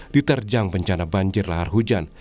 diterjang bencana banjir lahar hujan